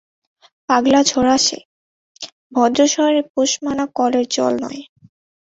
পাগলাঝোরা সে, ভদ্রশহরের পোষ-মানা কলের জল নয়।